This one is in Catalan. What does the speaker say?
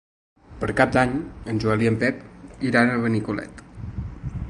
Per Cap d'Any en Joel i en Pep iran a Benicolet.